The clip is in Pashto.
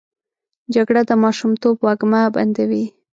جګړه د ماشومتوب وږمه بندوي